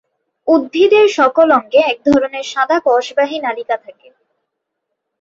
উদ্ভিদের সকল অঙ্গে এক ধরনের সাদা কষবাহী নালিকা থাকে।